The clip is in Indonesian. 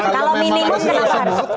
kalau memang harus disebut